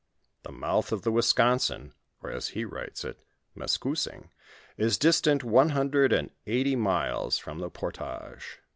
The mouth of the Wisconsin or, as he writes it Meskousing, is distant one hundred and eighty miles from the portage.